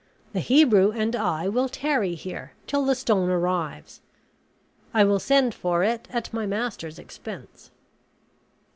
The Hebrew and I will tarry here till the stone arrives; I will send for it at my master's expense."